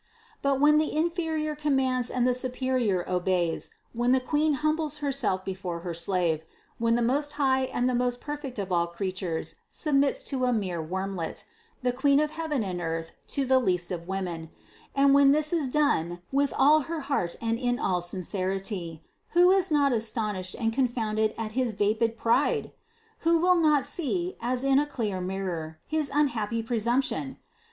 But when the inferior commands and the superior obeys, when the Queen humbles Herself before her slave, when the most holy and the most perfect of all creatures submits to a mere wormlet, the Queen of heaven and earth to the least of women, and when this is done with all her heart and in all sincerity: who is not astonished and confounded in his vapid pride? W ho will not see, as in a clear mirror, his unhappy presumption?